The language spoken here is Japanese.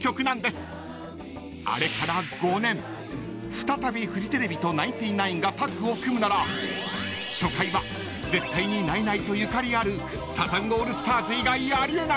［再びフジテレビとナインティナインがタッグを組むなら初回は絶対にナイナイとゆかりあるサザンオールスターズ以外あり得ない］